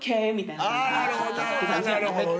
なるほどね！